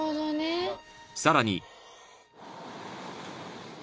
［さらに］